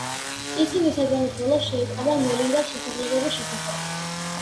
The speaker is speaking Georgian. ისინი სეზონის ბოლოს შეიტყობენ მელინდას შესაძლებლობის შესახებ.